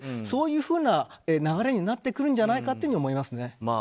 そういう流れになってくるんじゃないかと思いますね。